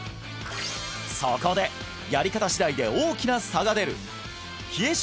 そこでやり方しだいで大きな差が出る冷え症